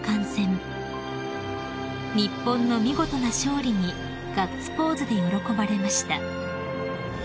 ［日本の見事な勝利にガッツポーズで喜ばれました］